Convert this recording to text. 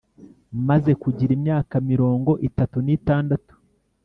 maze kugira imyaka mirongo itatu n’itandatu.